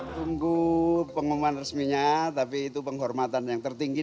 tunggu pengumuman resminya tapi itu penghormatan yang tertinggi